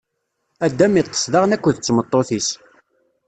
Adam iṭṭeṣ daɣen akked tmeṭṭut-is.